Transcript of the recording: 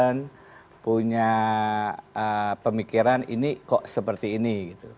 dan punya pemikiran ini kok seperti ini